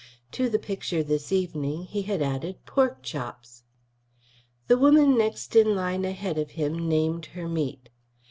To the picture this evening he had added pork chops. The woman next in line ahead of him named her meat.